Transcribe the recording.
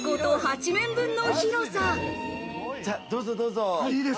さあどうぞどうぞ。